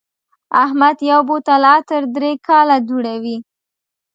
احمد یو بوتل عطر درې کاله دوړوي.